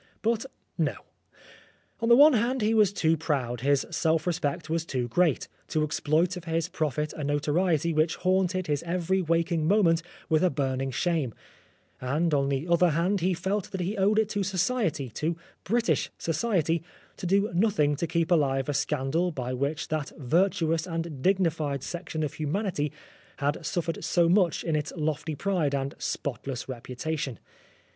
But no. On the one hand, he was too proud, his self respect was too great, to exploit for his profit a notoriety which haunted his every waking moment with a burning shame ; and on the other hand, he felt that he owed it to Society, to British Society, to do nothing to keep alive a scandal by which that virtuous and dignified section of humanity had suffered so much in its lofty pride and spotless reputation.